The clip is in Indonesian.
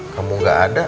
kamu gak ada